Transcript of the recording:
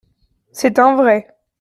C'est un vrai.